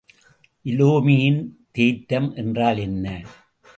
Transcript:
இலேமியின் தேற்றம் என்றால் என்ன?